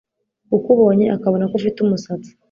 ukubonye akabona ko ufite umusatsi